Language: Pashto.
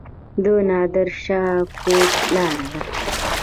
د نادر شاه کوټ لاره ده